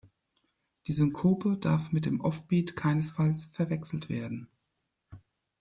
Die Synkope darf mit dem Offbeat keinesfalls verwechselt werden.